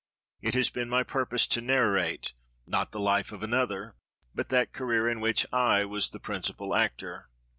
It has been my purpose to narrate, not the life of another, but that career in which I was the principal actor.